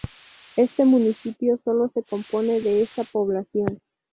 Este municipio sólo se compone de esta población.